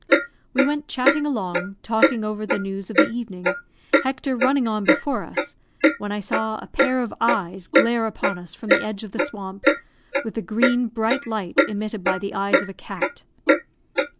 We went chatting along, talking over the news of the evening, Hector running on before us, when I saw a pair of eyes glare upon us from the edge of the swamp, with the green, bright light emitted by the eyes of a cat.